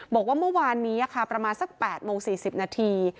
บอกว่าเมื่อวานนี้ค่ะประมาณสัก๘โมง๔๐นาที